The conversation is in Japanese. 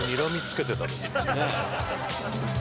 ねえ。